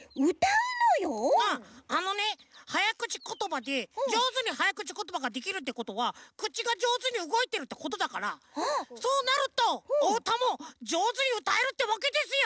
うんあのねはやくちことばでじょうずにはやくちことばができるってことはくちがじょうずにうごいてるってことだからそうなるとおうたもじょうずにうたえるってわけですよ！